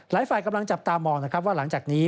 ฝ่ายกำลังจับตามองนะครับว่าหลังจากนี้